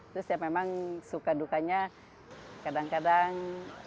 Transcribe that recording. terus ya memang suka dukanya kadang kadang